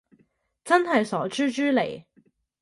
真係傻豬豬嚟